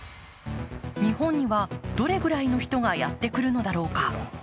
日本には、どれぐらいの人がやってくるのだろうか。